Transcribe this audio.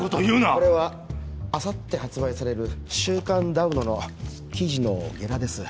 これはあさって発売される週刊ダウノの記事のゲラです